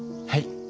はい。